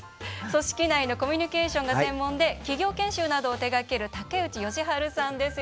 組織内のコミュニケーションが専門で、企業研修などを手がける竹内義晴さんです。